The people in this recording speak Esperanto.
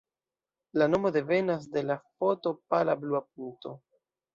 La nomo devenas de la foto Pala Blua Punkto.